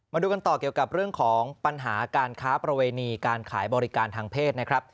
มาดูกันต่อเกี่ยวกับเรื่องของปัญหาการค้าประเวณีการขายบริการทางเพศนะครับ